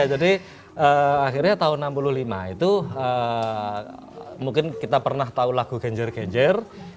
jadi akhirnya tahun seribu sembilan ratus enam puluh lima itu mungkin kita pernah tahu lagu genjer genjer